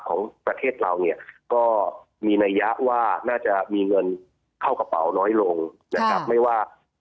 ของประเทศเราเนี่ยก็มีนัยยะว่าน่าจะมีเงินเข้ากระเป๋าน้อยลงนะครับไม่ว่า